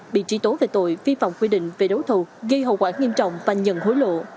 bị truy tố về tội vi phạm quy định về đấu thầu gây hậu quả nghiêm trọng và nhận hối lộ